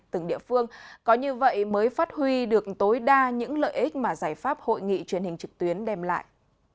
từng địa phương có như vậy mới phát huy được tối đa những lợi ích mà giải pháp hội nghị truyền hình trực tuyến đem lại